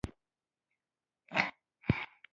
پر اساس یې هر راز توکمیز توپیر غیر قانوني اعلان شو.